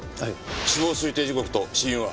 死亡推定時刻と死因は？